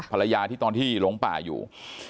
ภรรยาที่ตอนที่หลงป่าอยู่